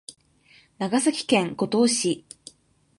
長崎県五島市